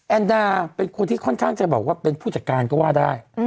แอนดาเป็นคนที่ค่อนข้างจะบอกว่าเป็นผู้จัดการก็ว่าได้